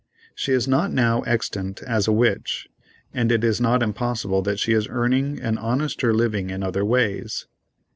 She is not now extant as a witch, and it is not impossible that she is earning an honester living in other ways.